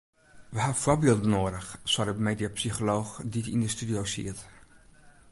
We ha foarbylden noadich sei de mediapsycholooch dy't yn de studio siet.